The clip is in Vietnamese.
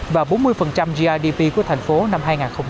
và bốn mươi grdp của thành phố năm hai nghìn ba mươi